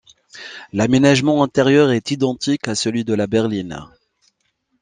L'aménagement intérieur est identique à celui de la berline.